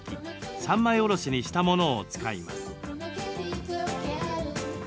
３枚おろしにしたものを使います。